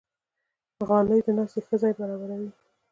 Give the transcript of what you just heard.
غلۍ د ناستې ښه ځای برابروي.